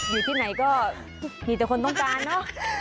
อยู่ที่ไหนก็มีแต่คนต้องการเนอะ